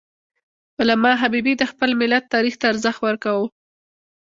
علامه حبیبي د خپل ملت تاریخ ته ارزښت ورکاوه.